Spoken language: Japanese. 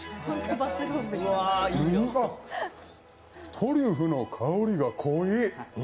トリュフの香りが濃い！